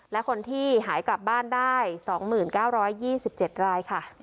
และคนที่หายกลับบ้านได้๒๙๒๗รายค่ะ